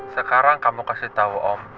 sekarang kamu kasih tahu om